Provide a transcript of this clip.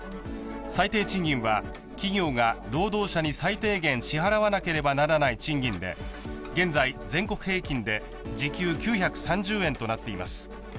最低賃金は企業が労働者に最低限支払わなければならない賃金で現在、全国平均で時給９３０円となっています。